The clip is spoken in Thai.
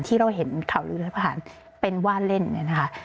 ที่เราเห็นข่าวดูแล้วผ่านเป็นว่าเล่น